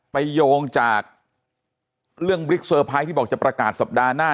โยงจากเรื่องบิ๊กเซอร์ไพรส์ที่บอกจะประกาศสัปดาห์หน้า